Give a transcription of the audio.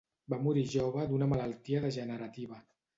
Va morir jove d'una malaltia degenerativa.